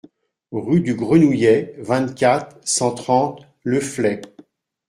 Rue du Grenouillet, vingt-quatre, cent trente Le Fleix